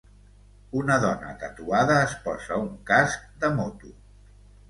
Una dona tatuada es posa un casc de moto.